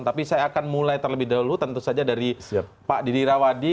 tapi saya akan mulai terlebih dahulu tentu saja dari pak didi rawadi